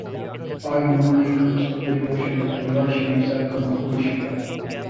آج نون لیگ کا مستقبل روشن مگر نوازشریف صاحب کا مخدوش ہے